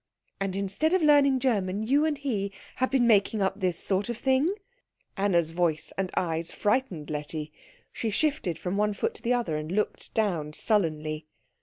"And instead of learning German you and he have been making up this sort of thing?" Anna's voice and eyes frightened Letty. She shifted from one foot to the other and looked down sullenly.